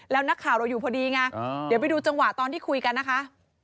แล้วนักข่าวเราอยู่พอดีไงเดี๋ยวไปดูจังหวะตอนที่คุยกันนะคะ